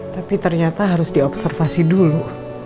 tapi ternyata harus diobservasi dulu